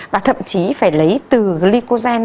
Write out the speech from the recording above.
và thậm chí phải lấy từ glycogen